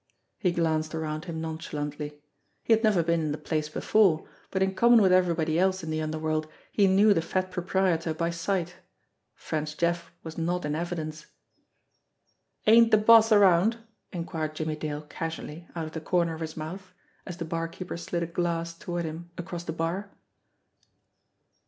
He glanced around him nonchalantly. He had never been in the place before, but in common with everybody else in the underworld he knew the fat proprietor by sight. French Jeff was not in evidence. "Ain't the boss around?" inquired Jimmie Dale casually out of the corner of his mouth, as the barkeeper slid a glass toward him across the bar.